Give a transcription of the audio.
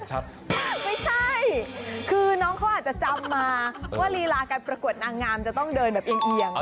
ไม่ใช่คือน้องเขาอาจจะจำมาว่าลีลาการประกวดนางงามจะต้องเดินแบบเอียง